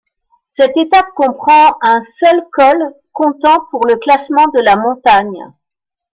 Cette étape comprend un seul col comptant pour le classement de la montagne.